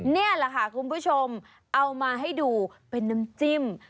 นี่แหละค่ะคุณผู้ชมเอามาให้ดูเป็นน้ำจิ้ม